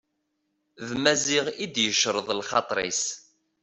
D Maziɣ i d-yecreḍ lxaṭer-is.